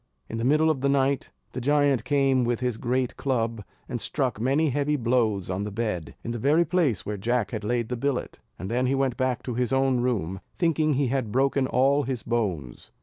In the middle of the night the giant came with his great club, and struck many heavy blows on the bed, in the very place where Jack had laid the billet, and then he went back to his own room, thinking he had broken all his bones.